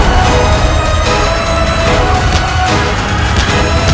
aku akan menangkapmu